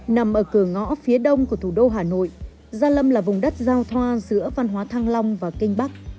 nằm ở cửa ngõ phía đông của thủ đô hà nội gia lâm là vùng đất giao thoa giữa văn hóa thăng long và kinh bắc